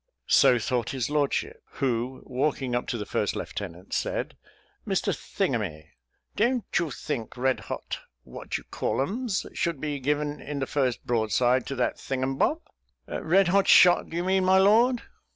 So thought his lordship, who walking up to the first lieutenant, said, "Mr Thingamay, don't you think red hot what do ye call ums should be given in the first broadside to that thingumbob?" "Red hot shot, do you mean, my lord?"